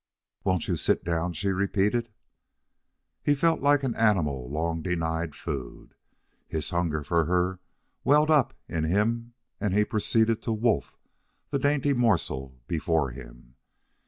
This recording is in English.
"Won't you sit down?" she repeated. He felt like an animal long denied food. His hunger for her welled up in him, and he proceeded to "wolf" the dainty morsel before him.